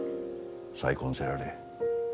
再婚せられえ。